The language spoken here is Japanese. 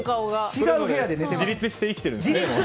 自立して生きているんですね。